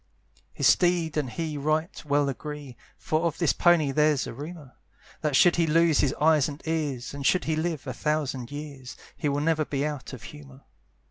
His steed and he right well agree, For of this pony there's a rumour, That should he lose his eyes and ears, And should he live a thousand years, He never will be out of humour.